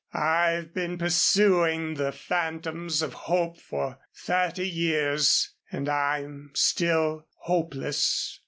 I've been pursuing the phantoms of hope for thirty years, and I'm still hopeless.